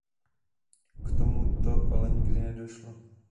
K tomuto ale nikdy nedošlo.